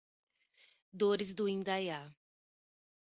Dores do Indaiá